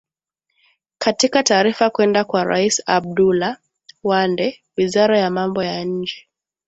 katika taarifa kwenda kwa rais abdullah wande wizara ya mambo ya nje